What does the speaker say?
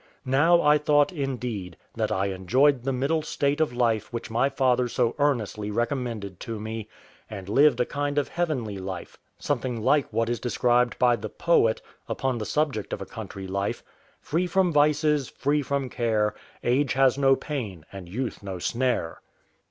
Now I thought, indeed, that I enjoyed the middle state of life which my father so earnestly recommended to me, and lived a kind of heavenly life, something like what is described by the poet, upon the subject of a country life: "Free from vices, free from care, Age has no pain, and youth no snare."